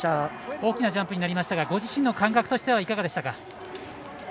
大きなジャンプになりましたがご自身の感覚としてはいかがでしたか。